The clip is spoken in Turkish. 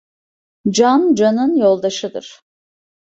Can canın yoldaşıdır.